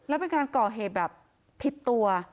แล้วเป็นการก่อเหตุแบบผิดตัว